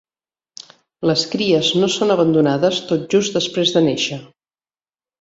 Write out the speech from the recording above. Les cries no són abandonades tot just després de néixer.